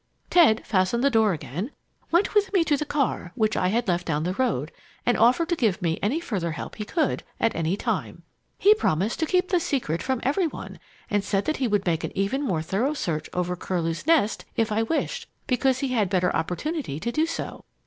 Ted fastened the door again, went with me to the car, which I had left down the road, and offered to give me any further help he could, at any time. He promised to keep the secret from every one, and said that he would make an even more thorough search over Curlew's Nest, if I wished, because he had much better opportunity to do so.